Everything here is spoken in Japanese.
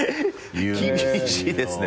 厳しいですね。